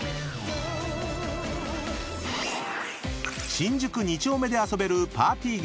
［新宿二丁目で遊べるパーティーゲーム］